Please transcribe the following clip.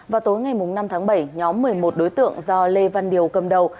vào tối ngày năm tháng bảy nhóm một mươi một đối tượng do lê văn điều cầm đầu